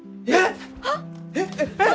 えっ！？